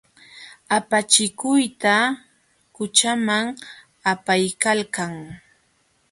Apachikuyta qućhaman apaykalkan.